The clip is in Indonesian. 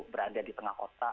berada di tengah kota